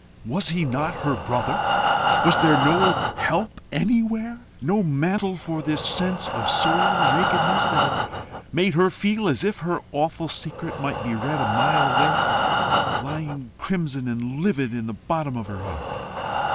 Was he not her brother? Was there no help anywhere? no mantle for this sense of soul nakedness that had made her feel as if her awful secret might be read a mile away, lying crimson and livid in the bottom of her heart.